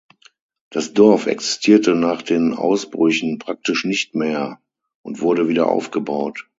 Das Dorf existierte nach den Ausbrüchen praktisch nicht mehr und wurde wiederaufgebaut.